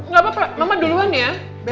nggak apa apa mama duluan ya